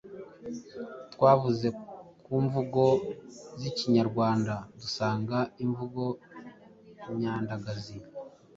Twavuze ku mvugo z’ikinyarwanda dusanga imvugo nyandagazi